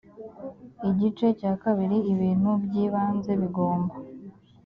igice cya kabiri ibintu by ibanze bigomba